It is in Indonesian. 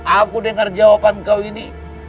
aku dengar jawaban kau ini